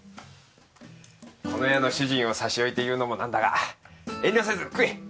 この家の主人を差し置いて言うのも何だが遠慮せず食え。